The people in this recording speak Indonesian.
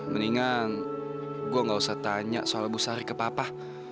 mendingan gue gak usah tanya soal bu sari ke papa